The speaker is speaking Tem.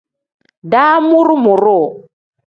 Damuru-muru.